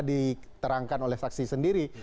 diterangkan oleh saksi sendiri